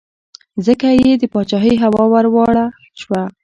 ځکه یې د پاچهۍ هوا ور ولاړه شوه.